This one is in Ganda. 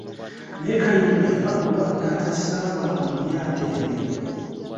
Naye Kayemba yalabulwa n'atasaabala mu lyato eryo.